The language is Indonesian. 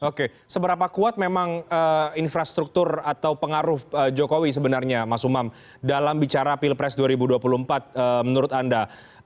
oke seberapa kuat memang infrastruktur atau pengaruh jokowi sebenarnya mas umam dalam bicara pilpres dua ribu dua puluh empat menurut anda